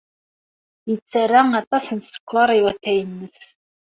Yettarra aṭas n sskeṛ i watay-nnes.